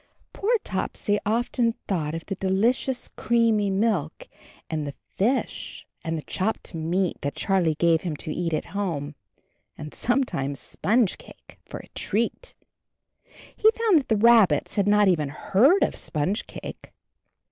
Poor Topsy often thought of the de licious, creamy milk, and the fish and the chopped meat that Charlie gave him to eat at home, and sometimes sponge cake, for a treat — he found that the rabbits had not even heard of sponge cake.